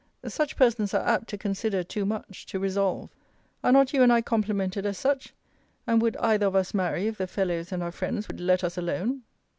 Such persons are apt to consider too much, to resolve. Are not you and I complimented as such? And would either of us marry, if the fellows and our friends would let us alone?